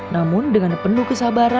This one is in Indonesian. namun bukaan yang diperlukan adalah kemampuan